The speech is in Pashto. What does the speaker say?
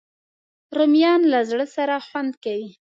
رومیان له زړه سره خوند کوي